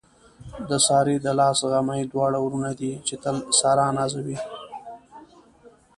د سارې د لاس غمي دواړه وروڼه دي، چې تل ساره نازوي.